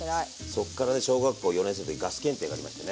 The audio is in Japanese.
そっからね小学校４年生の時にガス検定がありましてね。